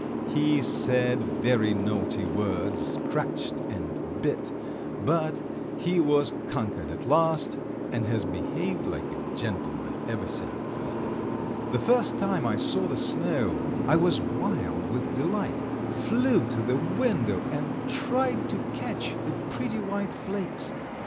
He said very naughty words, scratched and bit, but he was conquered at last, and has behaved like a gentleman ever since. The first time I saw the snow I was wild with delight, flew to the window and tried to catch the pretty white flakes.